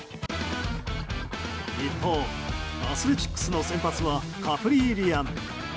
一方、アスレチックスの先発はカプリーリアン。